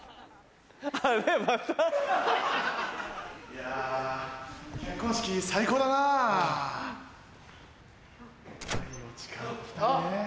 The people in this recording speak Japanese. ・いや結婚式最高だな・あっ！